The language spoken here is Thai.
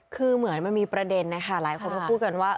คือเหมือนมันมีประเด็นนะคะหลายคนก็พูดกันว่า